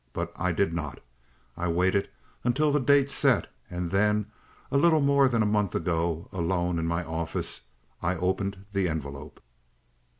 But I did not; I waited until the date set and then, a little more than a month ago, alone in my office, I opened the envelope."